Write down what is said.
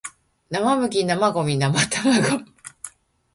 生麦生ゴミ生卵